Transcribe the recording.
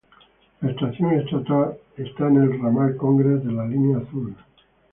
La estación está en el Ramal Congress de la línea Azul.